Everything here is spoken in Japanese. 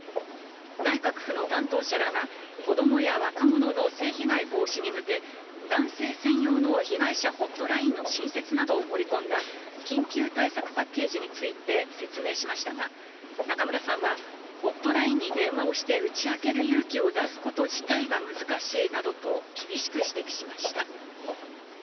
内閣府の担当者らが、子どもや若者の性被害防止に向け、男性専用の被害者ホットラインの新設などを盛り込んだ、緊急対策パッケージについて説明しましたが、中村さんは、ホットラインに電話をして打ち明ける勇気を出すこと自体が難しいなどと厳しく指摘しました。